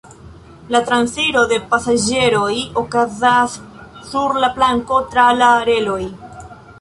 La transiro de pasaĝeroj okazas sur la planko tra la reloj.